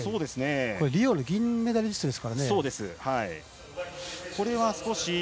リオの銀メダリストですけどね。